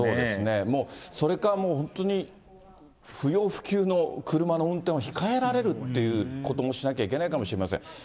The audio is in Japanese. もうそれかもう、本当に、不要不急の車の運転は控えられるっていうこともしなきゃいけないかもしれません。